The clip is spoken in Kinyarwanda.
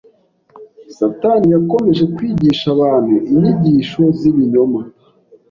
Satani yakomeje kwigisha abantu inyigisho z’ibinyoma